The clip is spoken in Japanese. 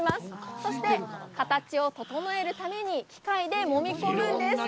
そして、形を整えるために機械でもみこみます。